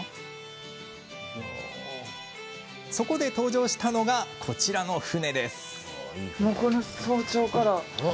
そこで登場したのが、こちらの船。